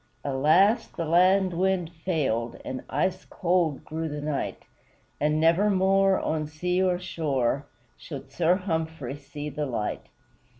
Alas! the land wind failed, And ice cold grew the night; And nevermore, on sea or shore, Should Sir Humphrey see the light.